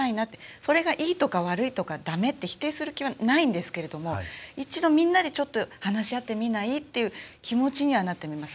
それがいいとか、悪いとかだめって否定する気はないんですが一度、みんなで話し合ってみないという気持ちになります。